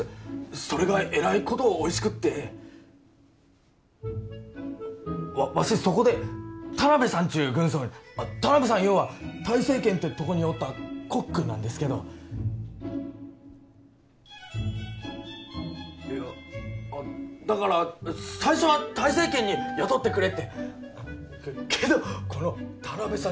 それがえらいことおいしくってわしそこで田辺さんちゅう軍曹に田辺さんいうんは泰西軒ってとこにおったコックなんですけどいやだから最初は泰西軒に雇ってくれってけどこの田辺さん